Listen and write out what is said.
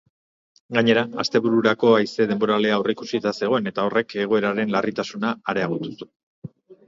Gainera, astebururako haize denboralea aurreikusita zegoen eta horrek egoeraren larritasuna areagotu zuen.